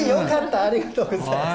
ありがとうございます。